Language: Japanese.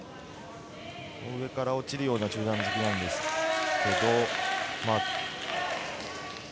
上から落ちるような中段突きなんですけど。